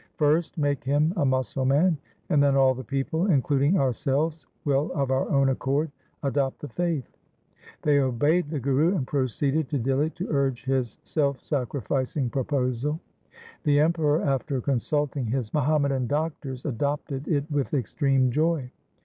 First make him a Musalman and then all the people, including our selves, will of our own accord adopt the faith.' They obeyed the Guru and proceeded to Dihli to urge his self sacrificing proposal. The Emperor, after consulting his Muhammadan doctors, adopted it with extreme joy.